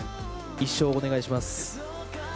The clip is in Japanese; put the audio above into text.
一生お願いします。